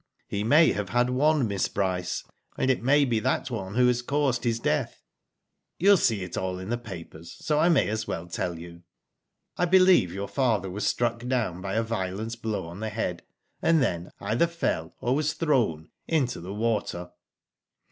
" He may have had one, Miss Bryce, and it may be that one who has caused his death. You will see it all in the papers, so I may as well tell you. I believe your father was struck down by a violent blow on the head, and thea either fell, or was thrown, into the water."